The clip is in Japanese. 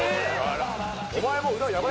お前もう裏やばい。